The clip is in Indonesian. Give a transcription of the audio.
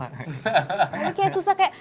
tapi kayak susah kayak